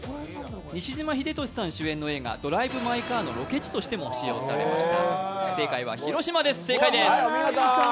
西島秀俊さん主演の映画「ドライブ・マイ・カー」のロケ地としても使用されました。